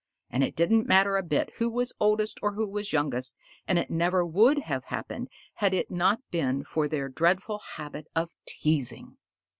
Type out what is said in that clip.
And it didn't matter a bit who was oldest or who was youngest, and it never would have happened had it not been for their dreadful habit of teasing.